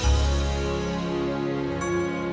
sampai jumpa lagi